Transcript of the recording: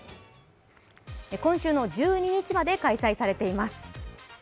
今週の１２日まで開催されています。